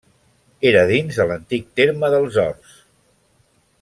Era dins de l'antic terme dels Horts.